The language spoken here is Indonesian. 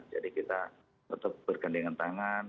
jadi kita tetap bergandengan tangan